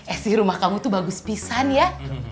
eh sih rumah kamu tuh bagus pisang ya